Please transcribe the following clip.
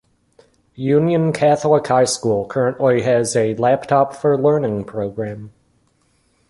Union Catholic High School currently has a Laptop for Learning Program.